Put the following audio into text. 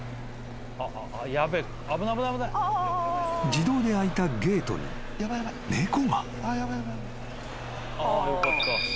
［自動で開いたゲートに猫が］